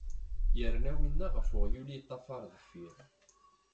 Yerna winna ɣef uɣyul i yeṭṭafar deffir.